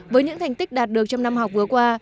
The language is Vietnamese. với những thành tích đạt được trong năm học vừa qua